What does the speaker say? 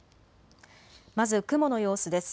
まず雲の様子です。